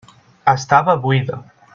Estava buida.